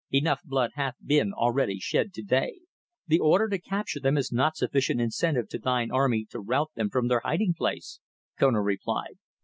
"Enough blood hath been already shed to day." "The order to capture them is not sufficient incentive to thine army to rout them from their hiding place," Kona replied.